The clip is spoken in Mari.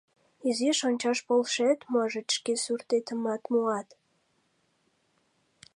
Изиш ончаш полшет, можыч, шке суртетымат муат».